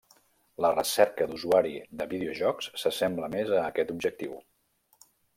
La recerca d'usuari de videojocs s'assembla més a aquest objectiu.